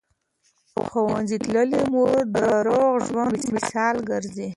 ښوونځې تللې مور د روغ ژوند مثال ګرځي.